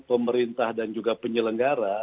pemerintah dan juga penyelenggara